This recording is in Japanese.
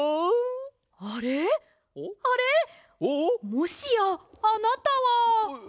もしやあなたは。